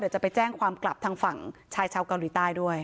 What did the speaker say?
เดี๋ยวจะไปแจ้งความกลับทางฝั่งชายชาวเกาหลีใต้ด้วย